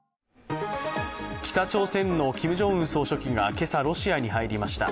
北朝鮮のキム・ジョンウン総書記が今朝ロシアに入りました。